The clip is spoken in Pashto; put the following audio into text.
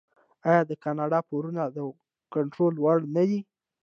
آیا د کاناډا پورونه د کنټرول وړ نه دي؟